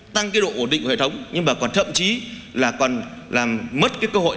tăng cái độ ổn định của hệ thống nhưng mà còn thậm chí là còn làm mất cái cơ hội